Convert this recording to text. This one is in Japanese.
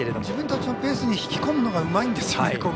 自分たちのペースに引き込むのがうまいんですよね。